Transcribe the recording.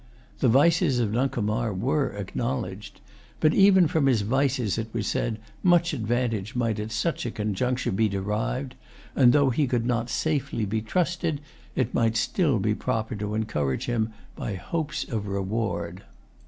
The vices of Nuncomar were acknowledged. But even from his vices, it was said, much advantage might at such a conjuncture be derived; and, though he could not safely be trusted,[Pg 133] it; might still be proper to encourage him by hopes of reward.